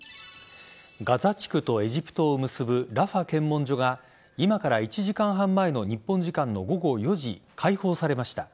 ガザ地区とエジプトを結ぶラファ検問所が今から１時間半前の日本時間の午後４時に開放されました。